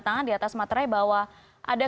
tangan di atas materai bahwa ada